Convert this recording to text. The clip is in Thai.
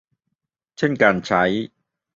เช่นการใช้